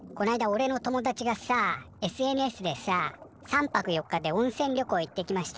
おれの友達がさＳＮＳでさ「３泊４日で温泉旅行行ってきました」